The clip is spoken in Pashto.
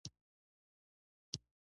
تخم څنګه په نوي نبات بدلیږي؟